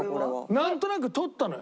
なんとなく撮ったのよ。